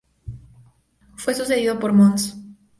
Fue sucedido por Mons.